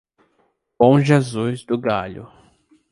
Bom Jesus do Galho